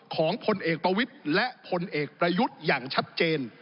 ของพลเอกประวิทย์และพลเอกประยุทธ์อย่างชัดเจน